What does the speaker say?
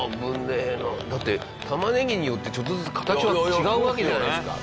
だって玉ねぎによってちょっとずつ形は違うわけじゃないですか。